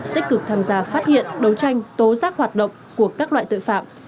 tích cực tham gia phát hiện đấu tranh tố giác hoạt động của các loại tội phạm